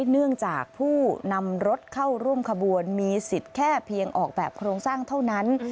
เนื่องจากผู้นำรถเข้าร่วมขบวนมีสิทธิ์แค่เพียงออกแบบโครงสร้างเท่านั้น